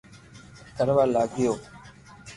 ڪروا لاگيو